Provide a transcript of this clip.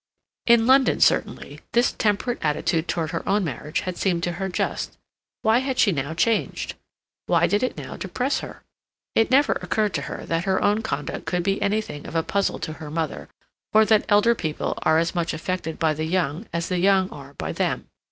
In London, certainly, this temperate attitude toward her own marriage had seemed to her just. Why had she now changed? Why did it now depress her? It never occurred to her that her own conduct could be anything of a puzzle to her mother, or that elder people are as much affected by the young as the young are by them.